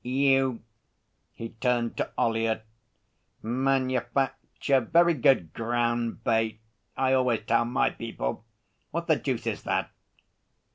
You' he turned to Ollyett 'manufacture very good ground bait.... I always tell My people What the deuce is that?'